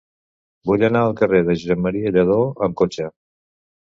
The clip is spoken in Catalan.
Vull anar al carrer de Josep M. Lladó amb cotxe.